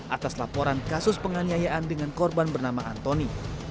atas laporan kasus penganiayaan dengan korban bernama anthony